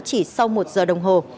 chỉ sau một giờ đồng hồ